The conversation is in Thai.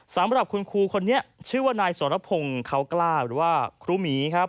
สำหรับคุณครูคนนี้ชื่อว่านายสรพงศ์เขากล้าหรือว่าครูหมีครับ